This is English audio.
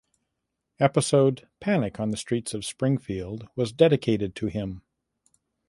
Episode "Panic on the Streets of Springfield" was dedicated to him.